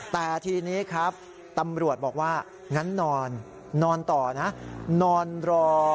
แต่ทีนี้ครับตำรวจบอกว่างั้นนอนนอนต่อนะนอนรอ